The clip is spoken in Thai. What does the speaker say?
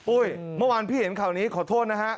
โอ้ยเมื่อวานพี่เห็นข่าวนี้ขอโทษนะครับ